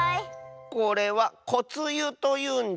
これは「こつゆ」というんじゃ。